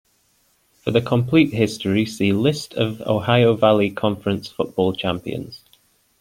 For the complete history, see List of Ohio Valley Conference football champions.